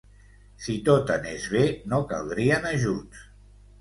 Si tot anés bé, no caldrien ajuts.